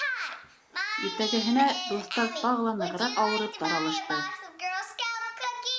Иртәгәһенә дуҫтар тағы ла нығыраҡ ауырып таралышты.